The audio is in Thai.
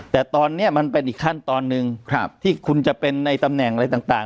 แต่ตอนนี้มันเป็นอีกขั้นตอนหนึ่งที่คุณจะเป็นในตำแหน่งอะไรต่าง